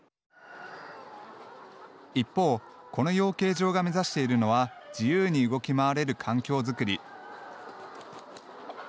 一方この養鶏場が目指しているのは自由に動き回れる環境づくり。